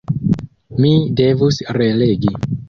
Mi devus relegi.